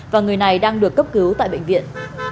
và người này đang được cấp cứu tại bệnh viện